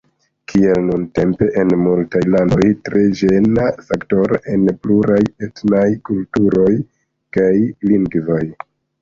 Kiel nuntempe en multaj landoj: tre ĝena faktoro en pluraj etnaj kulturoj kaj lingvoj?